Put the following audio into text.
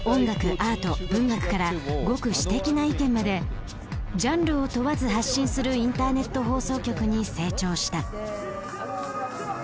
アート文学からごく私的な意見までジャンルを問わず発信するインターネット放送局に成長した。